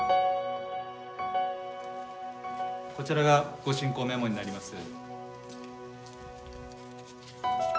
こちらが御進講メモになります。